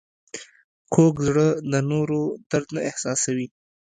کوږ زړه د نورو درد نه احساسوي